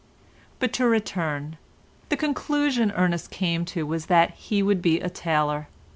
But to return, the conclusion Ernest came to was that he would be a tailor.